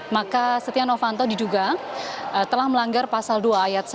maka setia novanto diduga telah melanggar pasal dua ayat satu